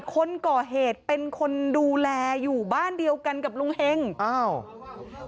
คนก่อเหตุเป็นคนดูแลอยู่บ้านเดียวกันกับลุงเฮงอ้าว